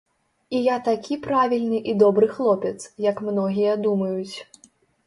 І я такі правільны і добры хлопец, як многія думаюць.